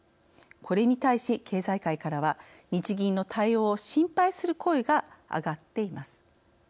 これに対し、経済界からは日銀の対応を心配する声が上がっています。